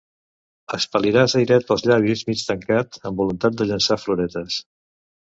Expel·liràs airet pels llavis mig tancat amb voluntat de llançar floretes.